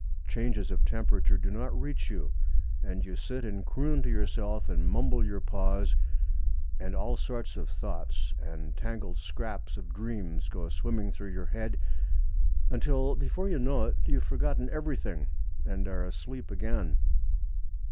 Changes of temperature do not reach you, and you sit and croon to yourself and mumble your paws, and all sorts of thoughts and tangled scraps of dreams go swimming through your head until, before you know it, you have forgotten everything and are asleep again.